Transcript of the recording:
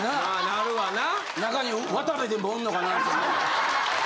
なるわな。